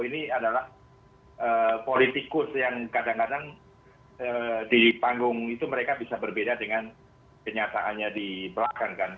ini adalah politikus yang kadang kadang di panggung itu mereka bisa berbeda dengan kenyataannya di belakang kan